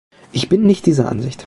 Ich bin nicht dieser Ansicht.